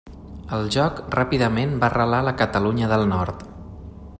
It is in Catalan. El joc ràpidament va arrelar a la Catalunya del Nord.